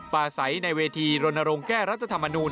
อาศัยในเวทีรณรงค์แก้รัฐธรรมนูล